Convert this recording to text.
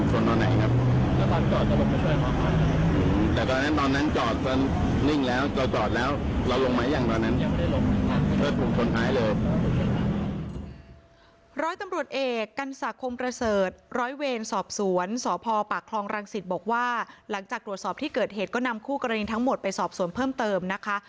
หลังจากรอบตัวสอบที่เกิดเหตุก็นำคู่กรณีทั้งหมดไปสอบสวนเพิ่มเติมนะคะ